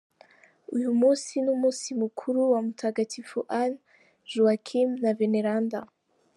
Uyu munsi ni umunsi mukuru wa Mutagatifu Anne, Joachim na Veneranda.